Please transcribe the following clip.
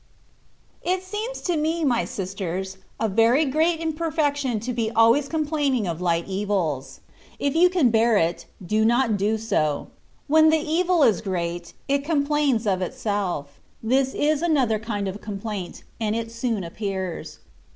It seems to me, my sisters, a very great imper fection to be always complaining of light evils : if you can bear it, do not do so. When the evil is great, it complains of itself : this is another kind of complaint, and it soon appears.